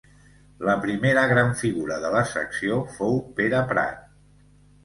La primera gran figura de la secció fou Pere Prat.